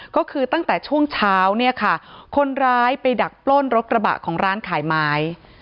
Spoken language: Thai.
ก็คือตั้งแต่ช่วงเช้าเนี่ยค่ะคนร้ายไปดักปล้นรถกระบะของร้านขายไม้